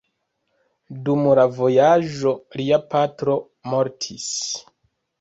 Dum la vojaĝo lia patro mortis.